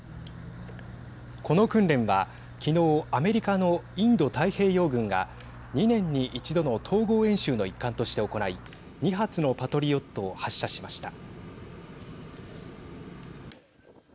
この訓練は、きのうアメリカのインド太平洋軍が２年に一度の統合演習の一環として行い２発のパトリオットを発射しました。